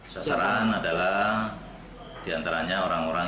sasaran adalah diantaranya orang orang